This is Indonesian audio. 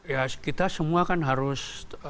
ya kita semua kan harus